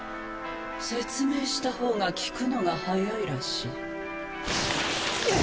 説明した方が効くのが早いらしい。